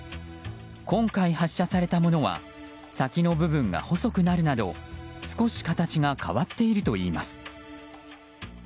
今回、発射されたものは先の部分が細くなるなど少し形が変わっているといいます。